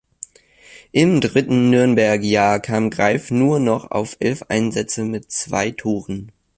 Im dritten Nürnberg-Jahr kam Greif nur noch auf elf Einsätze mit zwei Toren.